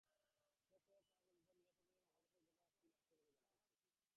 শেষ খবর পাওয়া পর্যন্ত নিহতদের মরদেহ ঘটনাস্থলেই আছে বলে জানা গেছে।